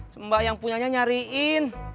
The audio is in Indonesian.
semba yang punya nyariin